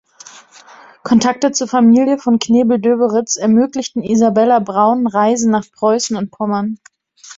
Kontakte zur Familie von Knebel-Döberitz ermöglichten Isabella Braun Reisen nach Preußen und Pommern.